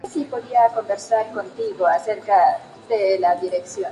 Tiene un bachillerato de artes en radiofonía, televisión y película.